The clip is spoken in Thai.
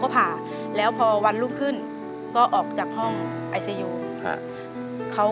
เปลี่ยนเพลงเพลงเก่งของคุณและข้ามผิดได้๑คำ